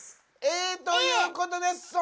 Ａということです